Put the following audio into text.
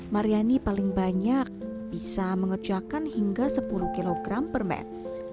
maryani paling banyak bisa mengerjakan hingga sepuluh kg permen